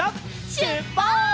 しゅっぱつ！